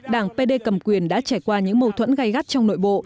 đảng pd cầm quyền đã trải qua những mâu thuẫn gây gắt trong nội bộ